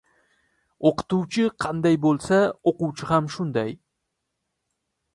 • O‘qituvchi qanday bo‘lsa, o‘quvchi ham shunday.